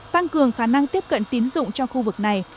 tăng cường khả năng tiếp cận tín dụng cho khu vực này